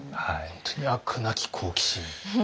本当に飽くなき好奇心。